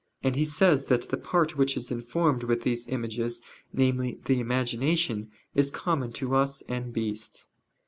And he says that the part which is informed with these images namely, the imagination is "common to us and beasts."